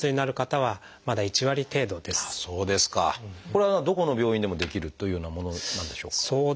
これはどこの病院でもできるというようなものなんでしょうか？